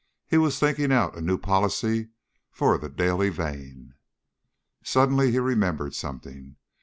He was thinking out a new policy for The Daily Vane. Suddenly he remembered something.